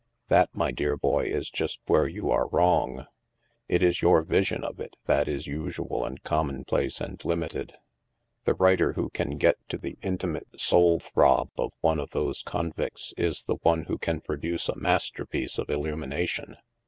'* That, my dear boy, is just where you are wrong. It is your vision of it that is usual and commonplace and limited. The writer who can get to the inti mate soul throb of one of those convicts is the one who can produce a masterpiece of illumination.